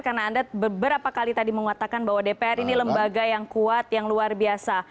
karena anda beberapa kali tadi menguatakan bahwa dpr ini lembaga yang kuat yang luar biasa